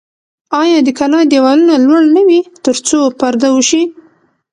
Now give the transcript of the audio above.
آیا د کلا دیوالونه لوړ نه وي ترڅو پرده وشي؟